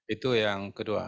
itu yang kedua